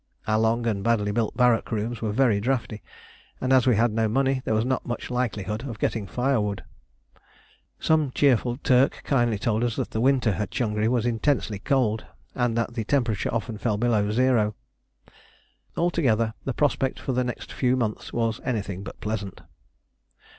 Our long and badly built barrack rooms were very draughty, and as we had no money there was not much likelihood of getting firewood. Some cheerful Turk kindly told us that the winter at Changri was intensely cold, and that the temperature often fell below zero. Altogether the prospect for the next few months was anything but pleasant.